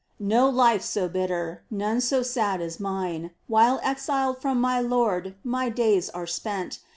No life so bitter, none so sad as mine While exiled from my Lord my days are spent.